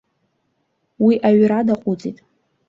Уи аҩра даҟәыҵит.